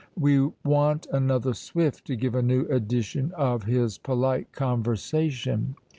We want another Swift to give a new edition of his "Polite Conversation."